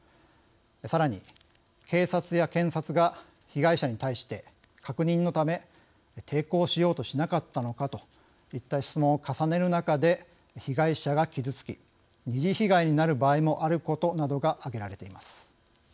さらに警察や検察が被害者に対して確認のため抵抗しようとしなかったのかといった質問を重ねる中で被害者が傷つき二次被害になる場合もあることなどが挙げられています。